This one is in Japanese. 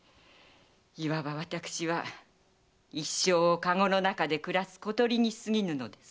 いわば私は一生を籠の中で暮らす小鳥に過ぎぬのです。